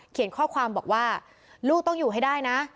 ข้อความบอกว่าลูกต้องอยู่ให้ได้นะ